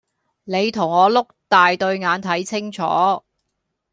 你同我碌大對眼睇清楚